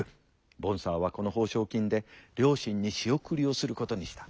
ボンサーはこの報奨金で両親に仕送りをすることにした。